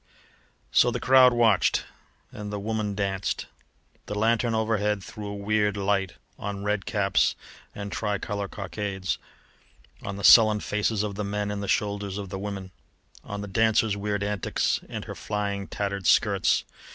So the crowd watched, and the woman danced. The lanthorn overhead threw a weird light on red caps and tricolour cockades, on the sullen faces of the men and the shoulders of the women, on the dancer's weird antics and her flying, tattered skirts.